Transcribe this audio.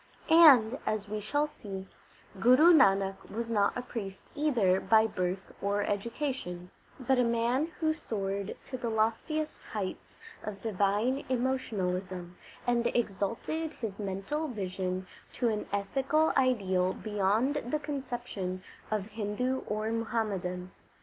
And, as we shall see, Guru Nanak was not a priest either by birth or education, but a man who soared to the loftiest heights of divine emotionalism, and exalted his mental vision to an ethical ideal beyond the conception of Hindu or Muhammadan.